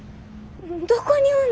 どこにおんの？